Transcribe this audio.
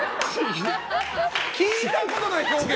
聞いたことない表現！